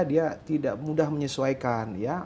dia tidak mudah menyesuaikan ya